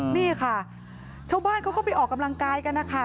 นี่ค่ะชาวบ้านเขาก็ไปออกกำลังกายกันนะคะ